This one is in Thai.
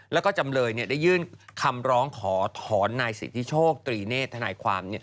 แล้วก็จำเลยได้ยื่นคำร้องขอถอนนายสิทธิโชคตรีเนธนายความ